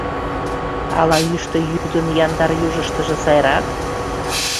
Ала йӱштӧ йӱдын яндар южыштыжо сайрак?